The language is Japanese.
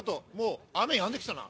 雨やんで来たな。